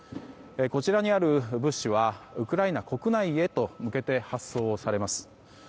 こちらにある物資はウクライナ国内へと向けて発送をされます。